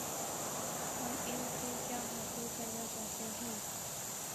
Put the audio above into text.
ہم ان سے کیا حاصل کرنا چاہتے ہیں؟